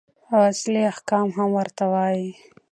او اصلي احکام هم ورته وايي.